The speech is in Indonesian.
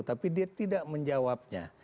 tapi dia tidak menjawabnya